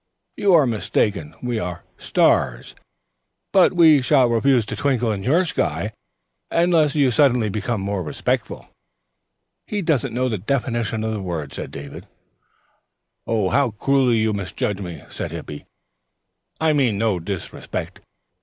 "You are mistaken. We are stars, but we shall refuse to twinkle in your sky unless you suddenly become more respectful." "He doesn't know the definition of the word," said David. "How cruelly you misjudge me," said Hippy. "I meant no disrespect.